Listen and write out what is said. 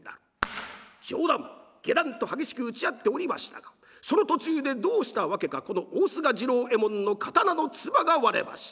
上段下段と激しく打ち合っておりましたらその途中でどうしたわけかこの大須賀次郎右衛門の刀のつばが割れました。